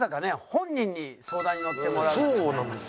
本人に相談に乗ってもらうっていうね。